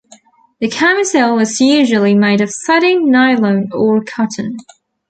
The camisole is usually made of satin, nylon, or cotton.